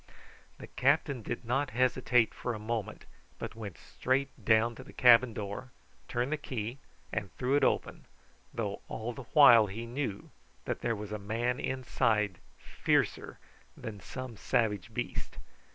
The captain did not hesitate for a moment, but went straight down to the cabin door, turned the key, and threw it open, though all the while he knew that there was a man inside fiercer than some savage beast.